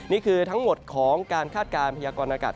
นี่คือทั้งหมดของการคาดการณ์พยากรณากาศ